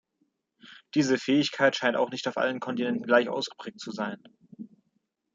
Diese Fähigkeit scheint auch nicht auf allen Kontinenten gleich ausgeprägt zu sein.